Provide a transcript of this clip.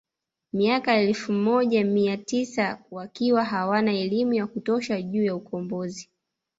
Miaka ya elfu moja mia tisa wakiwa hawana elimu ya kutosha juu ya ukombozi